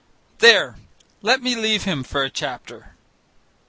There let me leave him for a chapter.